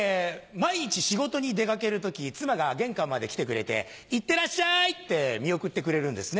毎日仕事に出かける時妻が玄関まで来てくれて「いってらっしゃい！」って見送ってくれるんですね。